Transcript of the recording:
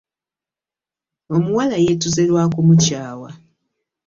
Omuwala yetuze lwakumukyawa .